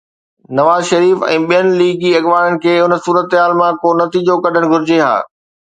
نواز شريف ۽ ٻين ليگي اڳواڻن کي ان صورتحال مان ڪو نتيجو ڪڍڻ گهرجي ها.